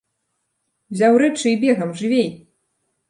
Узяў рэчы і бегам, жывей!!!